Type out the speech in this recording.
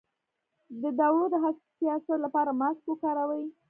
د دوړو د حساسیت لپاره ماسک وکاروئ